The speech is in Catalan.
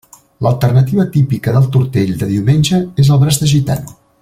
L'alternativa típica del tortell de diumenge és el braç de gitano.